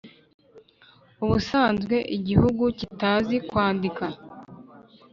ubusanzwe igihugu kitazi kwandika,